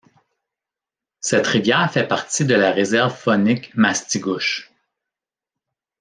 Cette rivière fait partie de la Réserve faunique Mastigouche.